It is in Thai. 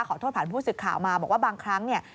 ขอโทษผ่านผู้สื่อข่าวมาบอกว่าบางครั้งเนี่ย